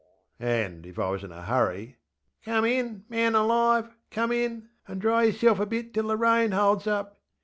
ŌĆÖ And, if I was in a hurry, ŌĆśCome in, man alive! Come in! and dry yerself a bit till the rain holds up.